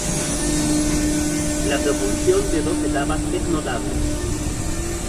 La propulsión de dos etapas es notable.